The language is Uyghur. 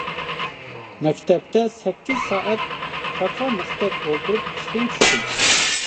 مەكتەپتە سەككىز سائەت تاقا مىختەك ئولتۇرۇپ ئىشتىن چۈشتۈم.